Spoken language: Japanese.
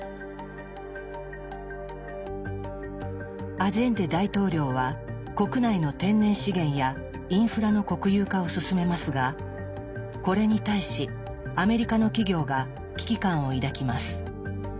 アジェンデ大統領は国内の天然資源やインフラの国有化を進めますがこれに対しアメリカの企業が危機感を抱きます。